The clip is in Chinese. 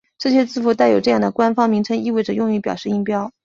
这些字符带有这样的官方名称意味着用于表示音标。